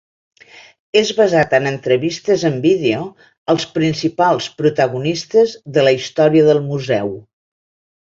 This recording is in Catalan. És basat en entrevistes en vídeo als principals protagonistes de la història del museu.